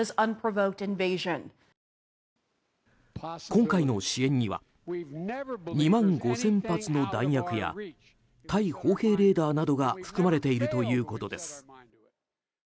今回の支援には２万５０００発の弾薬や対砲兵レーダーなどが含まれているということです。